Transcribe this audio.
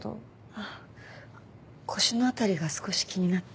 あっ腰の辺りが少し気になって。